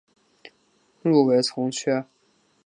入围从缺。